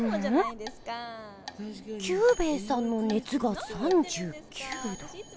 キュウベイさんのねつが３９度。